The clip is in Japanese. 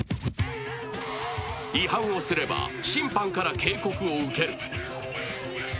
違反をすれば審判から警告を受ける。